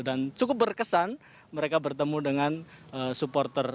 dan cukup berkesan mereka bertemu dengan supporter